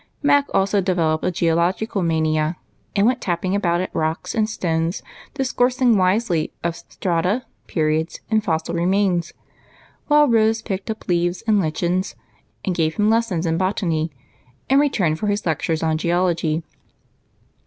Mac also developed a geological mania, and went tapping about at rocks and stones, discoursing wisely of "strata, j^eriods, and fossil remains;" while Rose picked up leaves and lichens, and gave him lessons in botany, in return for his lectures on geology.